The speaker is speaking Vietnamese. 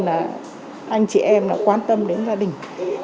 hơn là anh chị em đã quan tâm đến gia đình